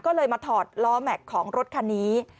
ก็เลยมาถอดล้อแม็กซ์ของรถคันนี้